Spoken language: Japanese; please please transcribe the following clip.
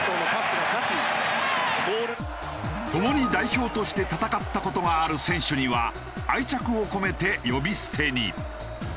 共に代表として戦った事がある選手には愛着を込めて呼び捨てに。